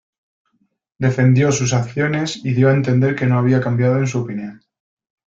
Defendió sus acciones y dio a entender que no había cambiado en su opinión.